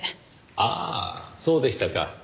ああそうでしたか。